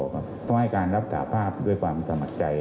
เพราะให้การรับสาภาพด้วยความสมัครใจ